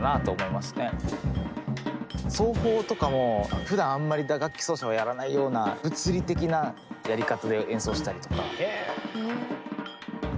奏法とかもふだんあんまり打楽器奏者はやらないような物理的なやり方で演奏したりとか。